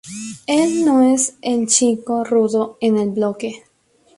Él no es el chico rudo en el bloque.